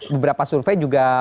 beberapa survei juga